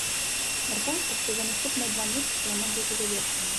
Мяркуецца, што за наступныя два месяцы яно будзе завершана.